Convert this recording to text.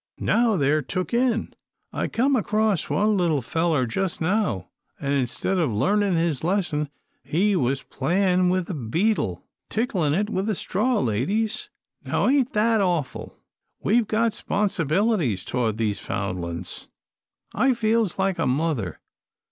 Now they're took in. I come across one little feller jus' now, an' instead o' learnin' his lesson he was playin' with a beetle. Ticklin' it with a straw, ladies. Now ain't that awful? We've got 'sponsibilities toward these foun'lings. I feels like a mother.